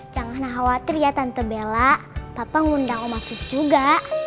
jangan khawatir ya tante bella papa ngundang omakus juga